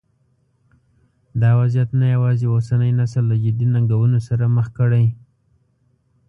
دا وضعیت نه یوازې اوسنی نسل له جدي ننګونو سره مخ کړی.